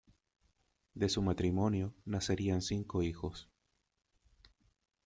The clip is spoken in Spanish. De su matrimonio nacerían cinco hijos.